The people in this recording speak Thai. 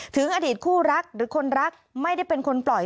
ถึงอดีตคู่รักหรือคนรักไม่ได้เป็นคนปล่อย